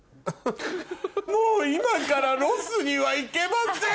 もう今からロスには行けません。